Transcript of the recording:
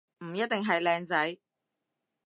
唔一定係靚仔